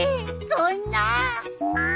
そんな。